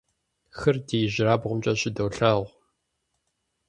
Хыр ди ижьырабгъумкӀэ щыдолъагъу.